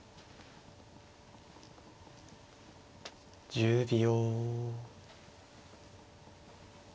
１０秒。